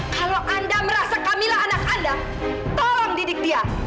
kalau anda merasa kamilah anak anda tolong didik dia